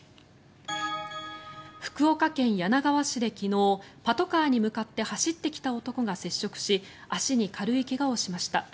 福岡県柳川市で昨日パトカーに向かってきた男が接触し足に軽い怪我をしました。